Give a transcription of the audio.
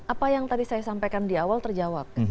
apa yang tadi saya sampaikan di awal terjawab